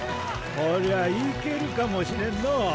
こりゃいけるかもしれんのう。